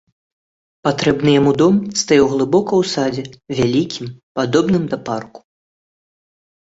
Патрэбны яму дом стаяў глыбока ў садзе, вялікім, падобным да парку.